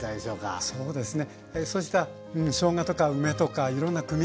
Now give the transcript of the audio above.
あそうですね。